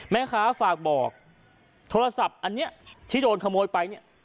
แม่ค้าฝากบอกโทรศัพท์อันนี้ที่โดนขโมยไปเนี่ย